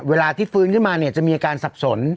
เวลาที่ฟื้นขึ้นมาเนี่ยจะมีอาการสับสน